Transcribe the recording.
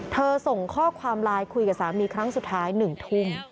ส่งข้อความไลน์คุยกับสามีครั้งสุดท้าย๑ทุ่ม